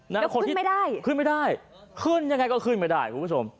แล้วคนขึ้นไม่ได้ขึ้นไม่ได้ขึ้นยังไงก็ขึ้นไม่ได้คุณผู้ชม